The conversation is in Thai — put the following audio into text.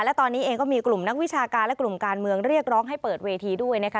และตอนนี้เองก็มีกลุ่มนักวิชาการและกลุ่มการเมืองเรียกร้องให้เปิดเวทีด้วยนะคะ